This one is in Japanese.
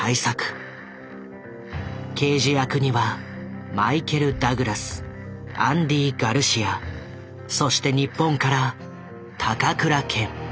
刑事役にはマイケル・ダグラスアンディ・ガルシアそして日本から高倉健。